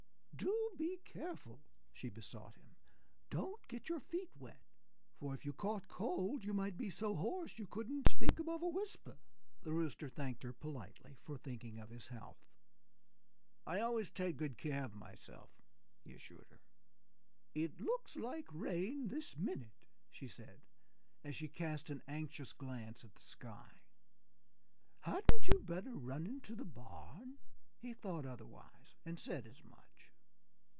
"Do be careful!" she besought him. "Don't get your feet wet! For if you caught cold you might be so hoarse that you couldn't speak above a whisper." The Rooster thanked her politely for thinking of his health. "I always take good care of myself," he assured her. "It looks like rain this minute," she said as she cast an anxious glance at the sky. "Hadn't you better run into the barn?" He thought otherwise and said as much.